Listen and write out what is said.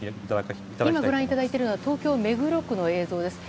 今ご覧いただいているのは東京・目黒区の映像です。